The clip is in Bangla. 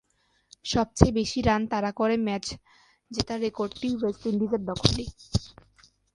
সবচেয়ে বেশি রান তাড়া করে ম্যাচ জেতার রেকর্ডটি ওয়েস্ট ইন্ডিজের দখলে।